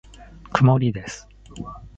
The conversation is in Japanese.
曇りです。